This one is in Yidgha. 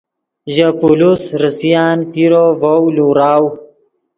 ژے پولیس ریسان پیرو ڤیم لوراؤ